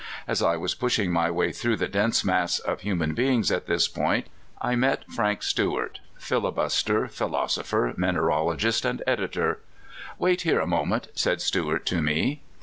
As I was push ing my way through the dense mass of human beings at this point, I met Frank Stewart^' — fili buster, philosopher, mineralogist, and editor. "Wait here a moment," said Stewart to me.